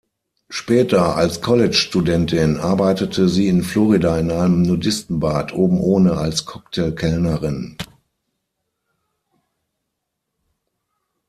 Später, als College-Studentin, arbeitete sie in Florida in einem Nudisten-Bad „oben ohne“ als Cocktail-Kellnerin.